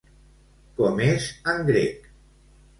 Com és en grec?